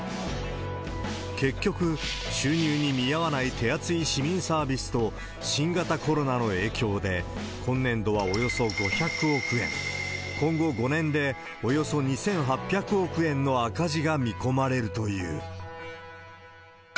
結局、収入に見合わない手厚い市民サービスと新型コロナの影響で、今年度はおよそ５００億円、今後、５年でおよそ２８００億円の赤字が見込まれるという。